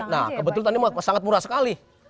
nah kebetulan ini sangat murah sekali